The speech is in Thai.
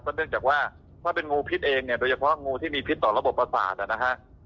เนื่องจากว่าถ้าเป็นงูพิษเองเนี่ยโดยเฉพาะงูที่มีพิษต่อระบบประสาทนะฮะ